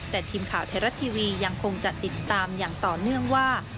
แต่ทีมข่าวไทยรัฐทีวียังคงจะติดตามอย่างต่อเนื่องว่า